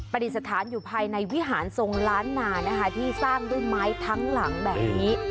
ปฏิสถานอยู่ภายในวิหารทรงล้านนานะคะที่สร้างด้วยไม้ทั้งหลังแบบนี้